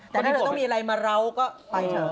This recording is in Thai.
แต่ถ้าเธอต้องมีอะไรมาเราก็ไปเถอะ